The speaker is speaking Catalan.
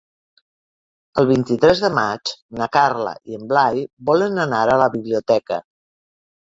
El vint-i-tres de maig na Carla i en Blai volen anar a la biblioteca.